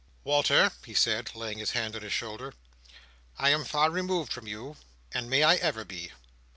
"Walter," he said, laying his hand on his shoulder. "I am far removed from you, and may I ever be.